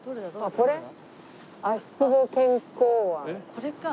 これか。